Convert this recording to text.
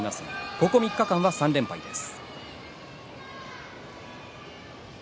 ここ３日間は３連敗です。